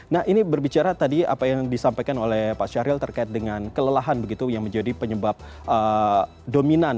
nah ini berbicara tadi apa yang disampaikan oleh pak syahril terkait dengan kelelahan begitu yang menjadi penyebab dominan